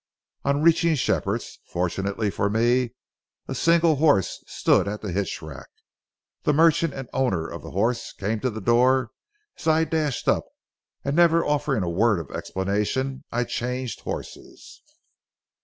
On reaching Shepherd's, fortunately for me a single horse stood at the hitch rack. The merchant and owner of the horse came to the door as I dashed up, and never offering a word of explanation, I changed horses.